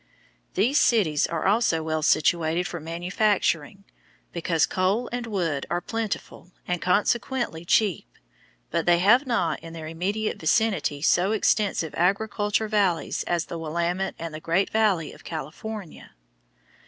These cities are also well situated for manufacturing, because coal and wood are plentiful and consequently cheap, but they have not in their immediate vicinity so extensive agricultural valleys as the Willamette and the Great Valley of California.